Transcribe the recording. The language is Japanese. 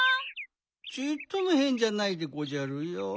ちっともへんじゃないでごじゃるよ。